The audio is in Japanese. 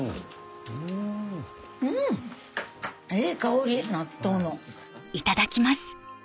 うんいい香り納豆の。